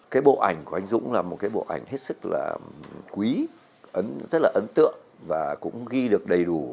cái bộ ảnh của anh dũng là một cái bộ ảnh hết sức là quý rất là ấn tượng và cũng ghi được đầy đủ